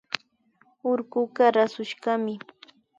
Urkuka rasushkami